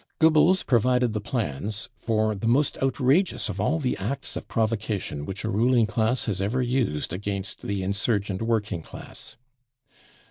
Gocbbels provided the plans for the most outrageous of jx\l the acts of provocation # which a ruling class has ever used against the insurgent working class.